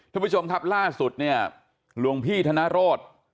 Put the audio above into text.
ท่านผู้ชมครับล่าสุดเนี่ยหลวงพี่ธนโรธ